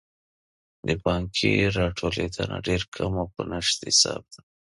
د پانګې راټولیدنه ډېر کم او په نشت حساب وي.